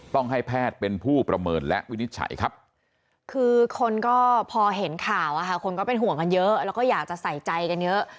ต้องให้แพทย์เป็นผู้ประเมินและวินิจฉัยครับคือคนก็พอเห็นข่าวคนก็เป็นห่วงกันเยอะแล้วก็อยากจะใส่ใจกันเยอะ